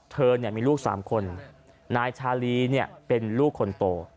เธอมีลูก๓คนนายชาลีเนี่ยเป็นลูกคนโต